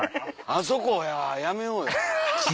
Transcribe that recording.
あそこはやめよう。